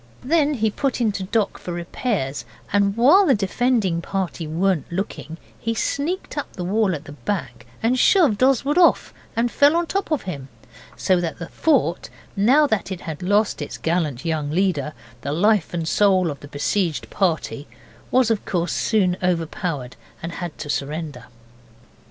Then he put into dock for repairs, and while the defending party weren't looking he sneaked up the wall at the back and shoved Oswald off, and fell on top of him, so that the fort, now that it had lost its gallant young leader, the life and soul of the besieged party, was of course soon overpowered, and had to surrender.